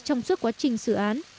trong suốt quá trình xử án